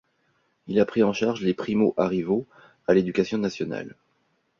Il a pris en charge les Primo Arrivo à l’éducation nationale.